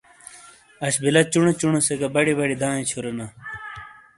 اش بیلہ چُونے چُونے سے گہ بڑی بڑی دایئے چُھورینا ۔